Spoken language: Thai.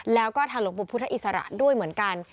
แล้วก็ทางหลวงปู่พุทธอิสระด้วยเหมือนกัน